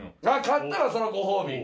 勝ったらそれはご褒美。